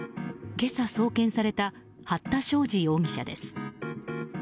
今朝送検された八田照治容疑者です。